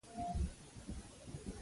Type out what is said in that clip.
پسه د شپې خوا ته بېغمه ګرځي.